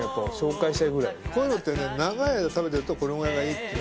こういうのってね長い間食べてるとこのぐらいがいいってなる。